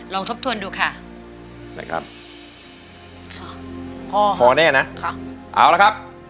ลองทบทวนดูค่ะได้ครับพอพอแน่น่ะครับเอาละครับ